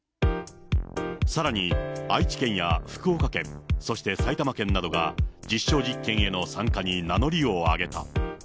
さらに愛知県や福岡県、そして埼玉県などが、実証実験への参加に名乗りを上げた。